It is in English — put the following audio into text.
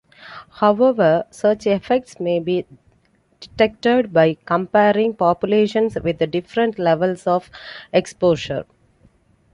However, such effects may be detected by comparing populations with different levels of exposure.